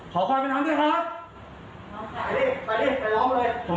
ขอคอยไปทำด้วยครับ